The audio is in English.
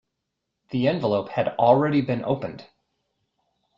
The envelope had already been opened.